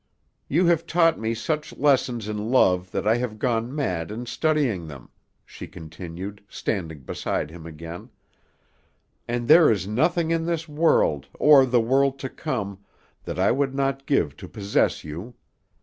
"You have taught me such lessons in love that I have gone mad in studying them," she continued, standing beside him again, "and there is nothing in this world, or the world to come, that I would not give to possess you.